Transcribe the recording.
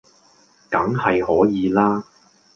梗係可以啦